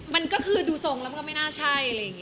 มันก็คือดูทรงแล้วก็ไม่น่าใช่